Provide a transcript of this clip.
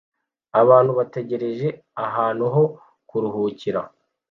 Abantu bategereje ahantu ho kuruhukira